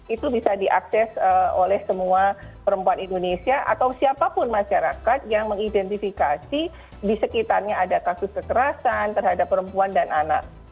itu bisa diakses oleh semua perempuan indonesia atau siapapun masyarakat yang mengidentifikasi di sekitarnya ada kasus kekerasan terhadap perempuan dan anak